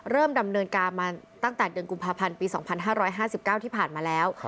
ดำเนินการมาตั้งแต่เดือนกุมภาพันธ์ปี๒๕๕๙ที่ผ่านมาแล้ว